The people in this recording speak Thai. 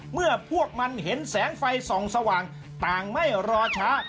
เมื่อพวกมันเห็นแสงไฟส่องสว่างต่างไม่รอช้า